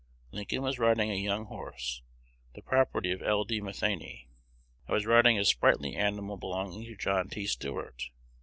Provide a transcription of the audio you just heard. Lincoln was riding a young horse, the property of L. D. Matheny. I was riding a sprightly animal belonging to John T. Stuart.